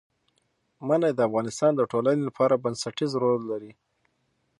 منی د افغانستان د ټولنې لپاره بنسټيز رول لري.